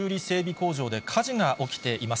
工場で火事が起きています。